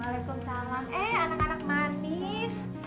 waalaikumsalam eh anak anak manis